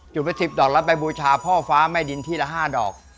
จุดไว้๑๐ดอกแล้วไปบูชาพ่อฟ้าแม่ดินที่ละ๕ดอก